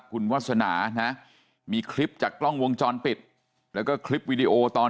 คุณวัสสนานะมีคลิปจากกล้องวงจอนปิดแล้วก็คลิปตอน